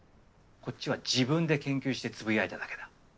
こっちは自分で研究してつぶやいただけだ。